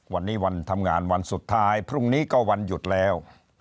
วันนี้วันทำงานวันสุดท้ายพรุ่งนี้ก็วันหยุดแล้ว